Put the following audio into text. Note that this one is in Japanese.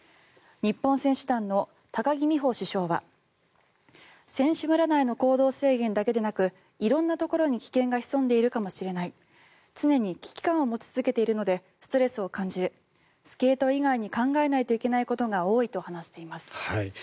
日本選手団の高木美帆主将は選手村内の行動制限だけでなく色んなところに危険が潜んでいるかもしれない常に危機感を持ち続けているのでストレスを感じるスケート以外に考えないといけないことが多いと話しています。